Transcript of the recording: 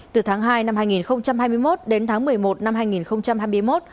từ tháng hai năm hai nghìn hai mươi một đến tháng một mươi một năm hai nghìn hai mươi một